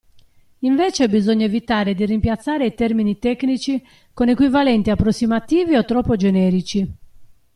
Invece bisogna evitare di rimpiazzare i termini tecnici con equivalenti approssimativi o troppo generici.